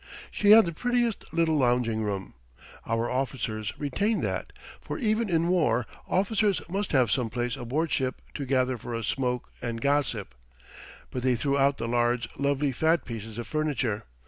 She had the prettiest little lounging room. Our officers retained that for even in war officers must have some place aboard ship to gather for a smoke and gossip but they threw out the large, lovely fat pieces of furniture.